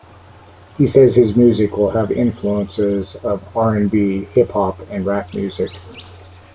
He says his music will have influences of R'n'B, hiphop and rap music.